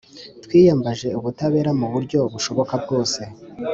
Twiyambaje ubutabera mu buryo bushoboka bwose